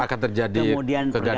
akan terjadi kegaduhan dan sebagainya